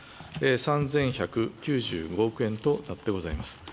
３１９５億円となってございます。